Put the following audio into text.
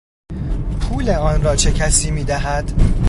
پول آن را چه کسی میدهد؟